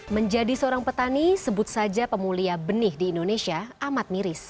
menjadi seorang petani sebut saja pemulia benih di indonesia amat miris